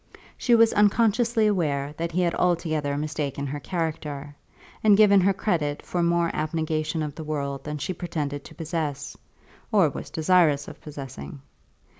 She was unconsciously aware that he had altogether mistaken her character, and given her credit for more abnegation of the world than she pretended to possess, or was desirous of possessing.